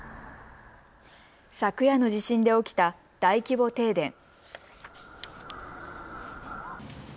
昨夜の地震で起きた大規模停電。